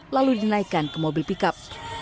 lalu dinaikkan ke mobil pickup